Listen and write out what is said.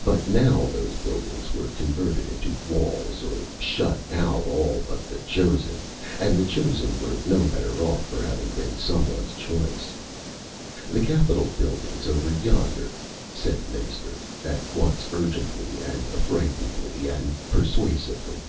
But now those buildings were converted into walls to shut out all but the chosen and the chosen were no better off for having been someone's choice. "The capital building's over yonder," said the Minister, at once urgently and affrightedly and persuasively.